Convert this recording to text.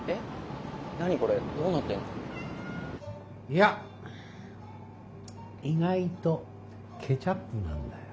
いや意外とケチャップなんだよ。